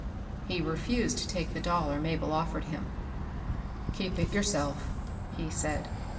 He refused to take the dollar Mabel offered him. " Keep it yourself," he said.